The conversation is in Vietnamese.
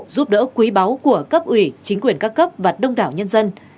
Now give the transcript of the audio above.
giúp đỡ quý báu của cấp ủy chính quyền các cấp và đông đảo nhân dân